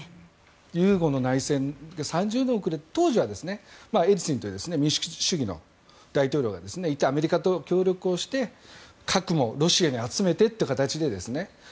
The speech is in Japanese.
ユーゴの内戦、３０年遅れて当時はエリツィンという民主主義の大統領がいてアメリカと協力して核もロシアに集めてという形で。